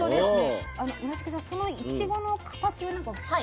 村重さんそのいちごの形は？